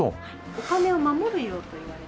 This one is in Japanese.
お金を守る色といわれてまして。